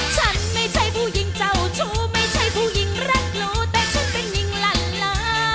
ฉันไม่ใช่ผู้หญิงเจ้าชู้ไม่ใช่ผู้หญิงรักหรูแต่คุณเป็นหญิงลัลลา